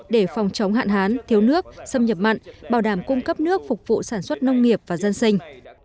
để phòng chống hạn hán thiếu nước xâm nhập mặn bảo đảm cung cấp nước phục vụ sản xuất nông nghiệp và dân sinh